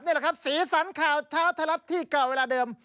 นี่แหละครับสีสันข่าวเช้าไทยรัฐที่เก่าเวลาเดิม